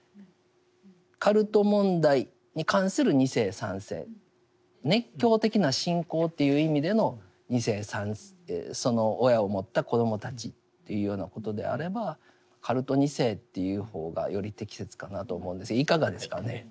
カルト問題に関する２世３世熱狂的な信仰という意味での２世３世その親を持った子どもたちというようなことであればカルト２世と言う方がより適切かなと思うんですけどいかがですかね？